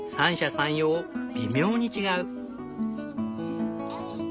三様微妙に違う。